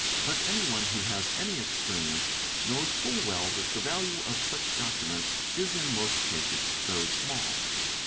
But anyone who has any experience knows full well that the value of such documents is In most cases very small.